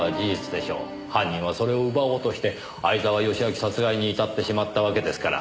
犯人はそれを奪おうとして相沢良明殺害に至ってしまったわけですから。